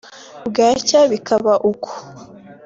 bwacya bikaba uko